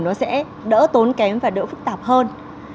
nó sẽ đỡ tốn kém và đỡ phức tạp hơn